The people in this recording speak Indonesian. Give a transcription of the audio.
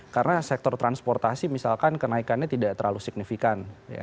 karena sektor transportasi misalkan kenaikannya tidak terlalu signifikan